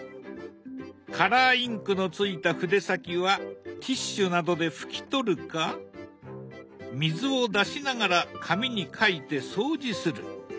カラーインクのついた筆先はティッシュなどで拭き取るか水を出しながら紙に描いて掃除する。